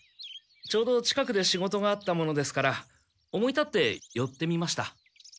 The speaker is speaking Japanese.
ちょうど近くで仕事があったものですから思い立ってよってみました。